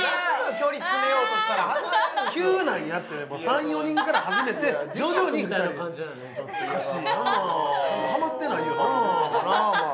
距離詰めようとしたら急なんやって３４人から始めて徐々にみたいな感じやねんおかしいなはまってないのかななあ